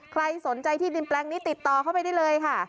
ใครสนใจที่ดินแปลงนี้ติดต่อเข้าไปได้เลยค่ะ